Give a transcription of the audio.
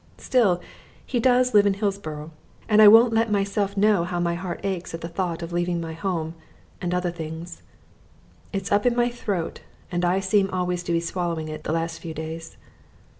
Still, he does live in Hillsboro, and I won't let myself know how my heart aches at the thought of leaving my home and other things. It's up in my throat, and I seem always to be swallowing it, the last few days.